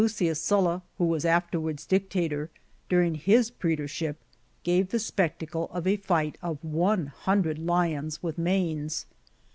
Sylla, who was afterwards Dictator, during his praetorship, gave the spectacle of a fight of one hundred lions with manes.